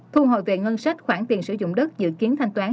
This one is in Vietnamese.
thu hồi về ngân sách khoản tiền sử dụng đất dự kiến thanh toán